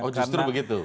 oh justru begitu